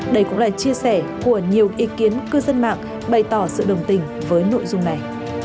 đây cũng là chia sẻ của nhiều ý kiến cư dân mạng bày tỏ sự đồng tình với nội dung này